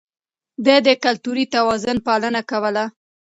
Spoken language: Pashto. ده د کلتوري توازن پالنه کوله.